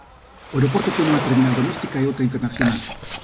O aeroporto ten unha terminal doméstica e outra internacional.